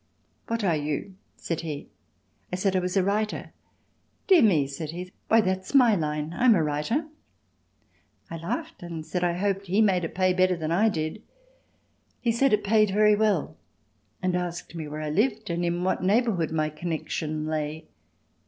"What are you?" said he. I said I was a writer. "Dear me," said he. "Why that's my line—I'm a writer." I laughed and said I hoped he made it pay better than I did. He said it paid very well and asked me where I lived and in what neighbourhood my connection lay.